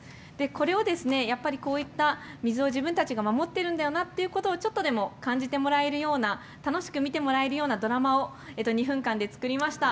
これをこういった水を自分たちが守ってるんだよなとちょっとでも感じてもらえるような楽しく見てもらえるようなドラマを２分間で作りました。